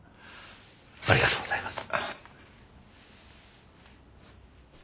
ありがとうございます。